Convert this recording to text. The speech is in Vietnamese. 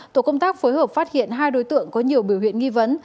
tổ công tác phối hợp phát hiện hai đối tượng có nhiều biểu hiện nghi vấn